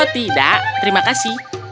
tidak terima kasih